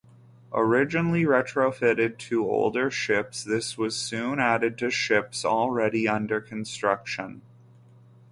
Originally retrofitted to older ships, this was soon added to ships already under construction.